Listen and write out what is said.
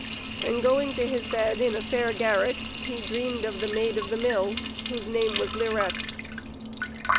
And going to his bed in a fair garret he dreamed of the Maid of the Mill, whose name was Lirette.